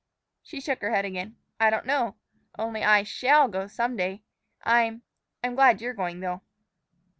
She shook her head again. "I don't know. Only I shall go some day. I'm I'm glad you're going, though."